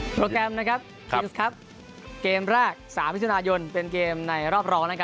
โปรแกรมนะครับคริสครับเกมแรก๓มิถุนายนเป็นเกมในรอบร้อง